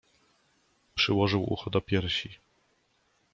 Przyłożył ucho do piersi.